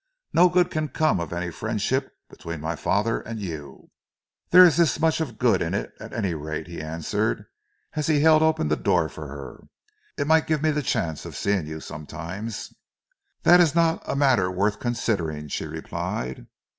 No good can come of any friendship between my father and you." "There is this much of good in it, at any rate," he answered, as he held open the door for her. "It might give me the chance of seeing you sometimes." "That is not a matter worth considering," she replied.